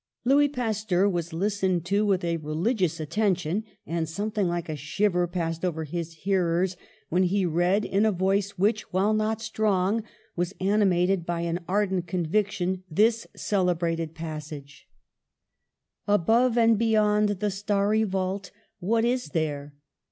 Louis Pasteur was listened to with a re ligious attention, and something like a shiver passed over his hearers when he read, in a voice which, while not strong, was animated by an ardent conviction, this celebrated passage : "Above and beyond the starry vault, what is there?